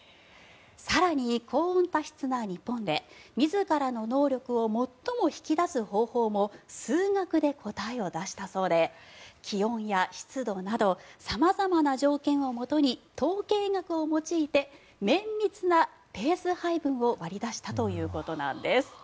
更に、高温多湿な日本で自らの能力を最も引き出す方法も数学で答えを出したそうで気温や湿度など様々な条件をもとに統計学を用いて綿密なペース配分を割り出したということなんです。